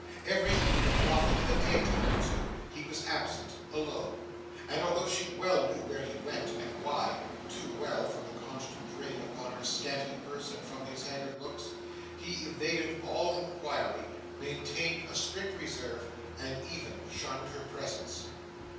Every evening, and often in the day time too, he was absent, alone; and although she well knew where he went, and why too well from the constant drain upon her scanty purse and from his haggard looks he evaded all inquiry, maintained a strict reserve, and even shunned her presence.